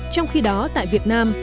trong khi đó tại việt nam